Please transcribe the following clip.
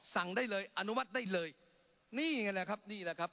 สั่งได้เลยอนุมัติได้เลยนี่ไงแหละครับนี่แหละครับ